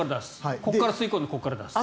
ここから吸い込んでここから出す。